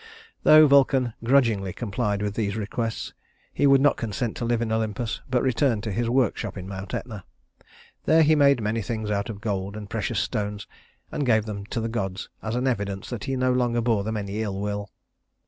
Though Vulcan grudgingly complied with these requests, he would not consent to live in Olympus, but returned to his workshop in Mount Etna. There he made many things out of gold and precious stones and gave them to the gods as an evidence that he no longer bore them any ill will.